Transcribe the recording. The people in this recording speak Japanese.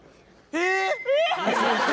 えっ⁉